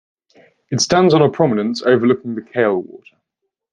It stands on a prominence overlooking the Kale Water.